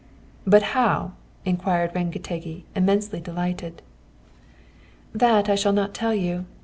"'But how?' inquired Rengetegi, immensely delighted. "'That I shall not tell you.